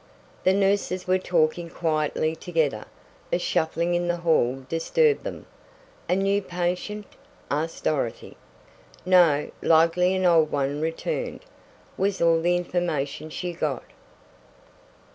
The nurses were talking quietly together. A shuffling in the hall disturbed them. "A new patient?" asked Dorothy. "No, likely an old one returned," was all the information she got.